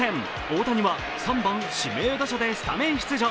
大谷は３番・指名打者でスタメン出場。